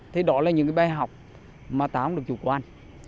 thì đó là những cái bài học mà ta cũng được chủ quan